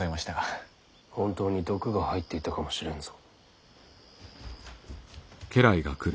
本当に毒が入っていたかもしれんぞ。